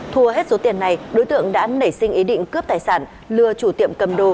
thua hết số tiền này đối tượng đã nảy sinh ý định cướp tài sản lừa chủ tiệm cầm đồ